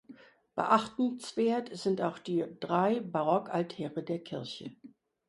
Beachtenswert sind auch die drei Barockaltäre der Kirche.